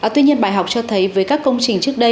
tuy nhiên bài học cho thấy với các công trình trước đây